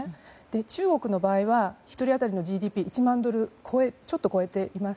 中国の場合は１人当たりのＧＤＰ１万ドルをちょっと超えています。